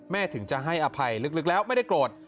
ถึงจะให้อภัยลึกแล้วไม่ได้โกรธ